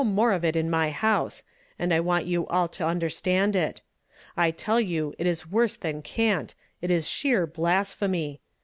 89 more of it in my house, and I want you all to un derstand it. I tell you it is worse than cant; it is sheer blasphemy